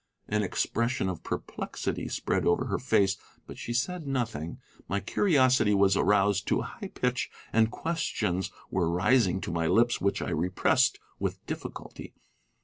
An expression of perplexity spread over her face, but she said nothing. My curiosity was aroused to a high pitch, and questions were rising to my lips which I repressed with difficulty.